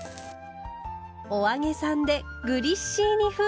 お揚げさんでグリッシーニ風！